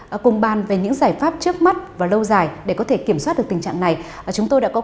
và cùng bàn về những giải pháp trước mắt và lâu dài để có thể kiểm soát được các phương trung tâm trên địa bàn thành phố thái nguyên